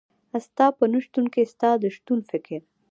ستا په نشتون کي ستا د شتون فکر